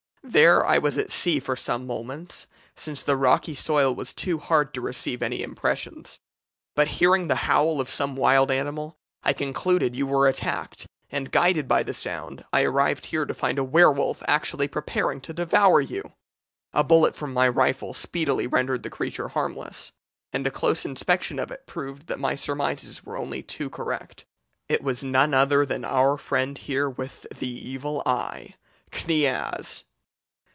There I was at sea for some moments, since the rocky soil was too hard to receive any impressions. But hearing the howl of some wild animal, I concluded you were attacked, and, guided by the sound, I arrived here to find a werwolf actually preparing to devour you. A bullet from my rifle speedily rendered the creature harmless, and a close inspection of it proved that my surmises were only too correct. It was none other than our friend here with the evil eye Kniaz!'